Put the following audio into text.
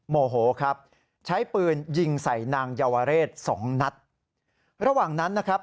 โมโหครับใช้ปืนยิงใส่นางเยาวเรศสองนัดระหว่างนั้นนะครับ